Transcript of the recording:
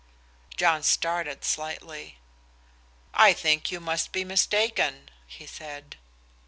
John started slightly. "I think you must be mistaken," he said.